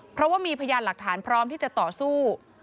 เพราะว่ามีพยานหลักฐานพร้อมที่จะต่อสู้